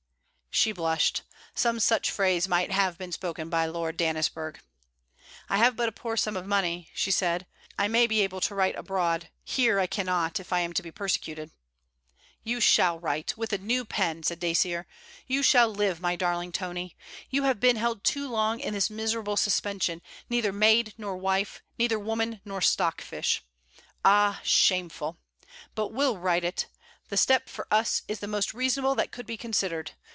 She blushed. Some such phrase might have been spoken by Lord Dannisburgh. 'I have but a poor sum of money,' she said. 'I may be able to write abroad. Here I cannot if I am to be persecuted.' 'You shall write, with a new pen!' said Dacier. 'You shall live, my darling Tony. You have been held too long in this miserable suspension, neither maid nor wife, neither woman nor stockfish. Ah! shameful. But we 'll right it. The step, for us, is the most reasonable that could be considered.